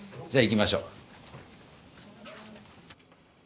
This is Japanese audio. じゃあ行きましょう。